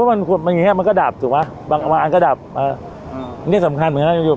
มันก็ดับถูกไหมบางอันก็ดับอันนี้สำคัญเหมือนกัน